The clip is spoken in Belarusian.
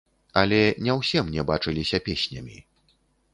Але не ўсе мне бачыліся песнямі.